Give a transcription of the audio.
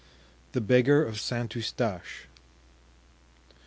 The Beggar of St. Eustache.